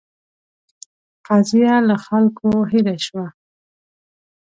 قضیه له خلکو هېره شوه.